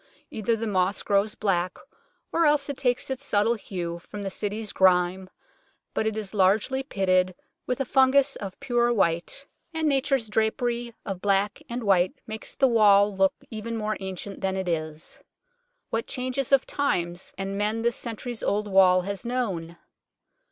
Either this moss grows black or else takes its sable hue from the City's grime, but it is largely pitted with a fungus of pure white, and Nature's 24 UNKNOWN LONDON drapery of black and white makes the wall look even more ancient than it is. What changes of times and men this centuries' old wall has known